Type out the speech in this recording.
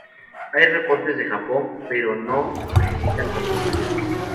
Hay reportes de Japón, pero necesitan confirmación.